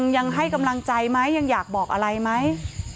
ยังให้กำลังใจไหมยังอยากบอกอะไรไหม